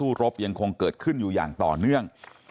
ในวันนี้การสู้รบยังคงเกิดขึ้นอยู่อย่างต่อเนื่อง